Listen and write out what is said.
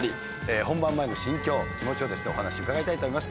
本番前の心境気持ちをお話伺いたいと思います。